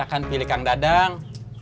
pasti kang dadang